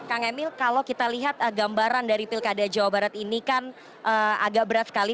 kang emil kalau kita lihat gambaran dari pilkada jawa barat ini kan agak berat sekali